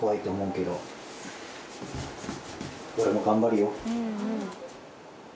俺も頑張るよ。